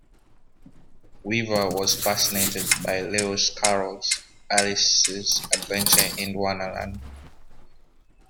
Weaver was fascinated by Lewis Carroll's "Alice's Adventures in Wonderland".